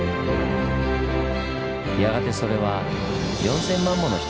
やがてそれは４，０００万もの人が暮らし